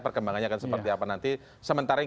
perkembangannya akan seperti apa nanti sementara ini